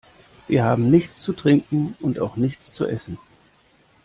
Wir haben nichts zu trinken und auch nichts zu essen.